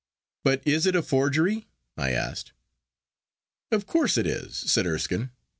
'But is it a forgery?' I asked. 'Of course it is,' said Erskine.